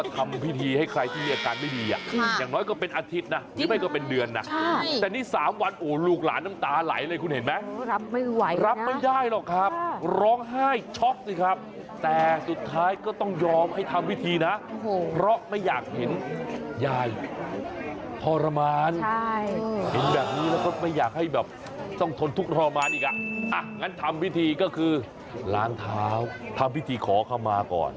ทำวิธีก็คือล้านเท้าทำวิธีขอเข้ามาก่อน